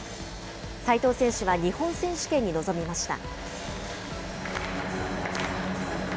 齋藤選手は日本選手権に臨みました。